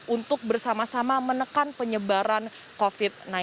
untuk bersama sama menekan penyebaran covid sembilan belas